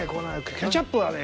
ケチャップはね